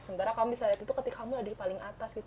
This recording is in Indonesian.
sementara kami saya lihat itu ketika kamu ada di paling atas gitu